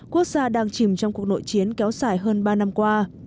quốc gia đang chìm trong cuộc nội chiến kéo dài hơn ba năm qua